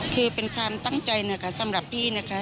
คือเป็นความตั้งใจนะคะสำหรับพี่นะคะ